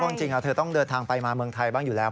จริงเธอต้องเดินทางไปมาเมืองไทยบ้างอยู่แล้ว